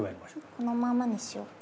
このままにしようか。